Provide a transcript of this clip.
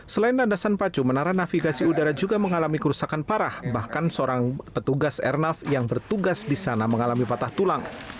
selain landasan pacu menara navigasi udara juga mengalami kerusakan parah bahkan seorang petugas airnav yang bertugas di sana mengalami patah tulang